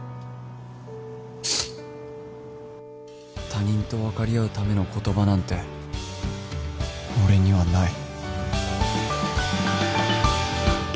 他人と分かり合うための言葉なんて俺にはない